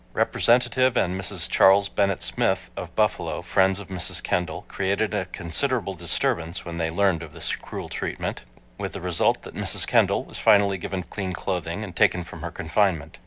Representative and Mrs. Charles Bennet Smith, of Buffalo, friends of Mrs. Kendall, created a considerable disturbance when they learned of this cruel treatment, with the result that Mrs. Kendall was finally given clean clothing and taken from her confinement.